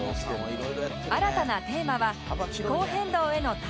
新たなテーマは気候変動への対応